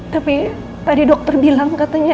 tapi tadi dokter bilang katanya